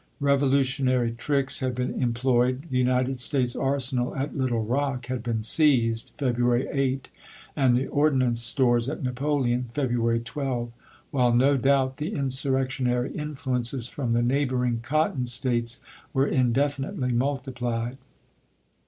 Eevolutionary tricks had been employed, the United States arsenal at Little Rock had been seized (February 8), and the ordnance stores at Napoleon (February 12), while no doubt the insurrectionary influences from the neighboring Cotton States were indefinitely multiplied.